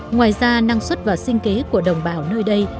ngoài ra năng suất và sinh kế của đồng bào nơi đây